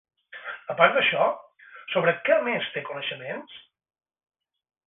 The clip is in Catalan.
A part d'això, sobre què més té coneixements?